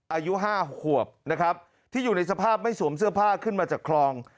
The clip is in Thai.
อายุ๕ขวบนะครับที่อยู่ในสภาพไม่สวมเสื้อผ้าขึ้นมาจากคลอง